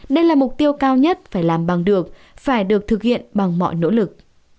đây là mục tiêu cao nhất phải làm bằng được phải được thực hiện bằng mọi nỗ lực